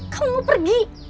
kamu mau pergi